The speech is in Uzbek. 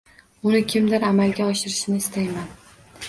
Uni kimdir amalga oshirishini istayman.